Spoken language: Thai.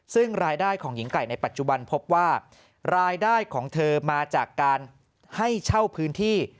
ซึ่งรายได้ของหญิงไก่ในปัจจุบันพบว่ารายได้ของเธอมาจากการให้เช่าพื้นที่